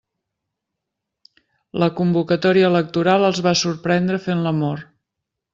La convocatòria electoral els va sorprendre fent l'amor.